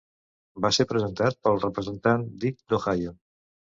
Va ser presentat pel representant Dick d'Ohio.